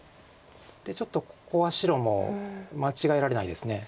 ちょっとここは白も間違えられないです。